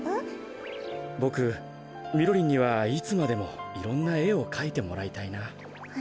ボクみろりんにはいつまでもいろんなえをかいてもらいたいな。